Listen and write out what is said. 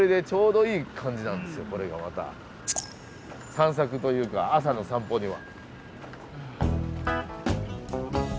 散策というか朝の散歩には。